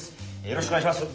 よろしくお願いします。